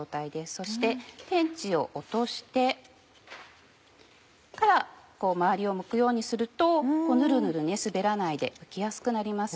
そして天地を落としてから周りをむくようにするとヌルヌル滑らないでむきやすくなります。